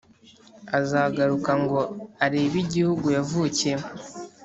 azagaruka ngo arebe igihugu yavukiyemo